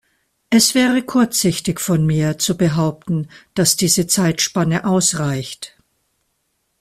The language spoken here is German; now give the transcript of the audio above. Es wäre kurzsichtig von mir, zu behaupten, dass diese Zeitspanne ausreicht.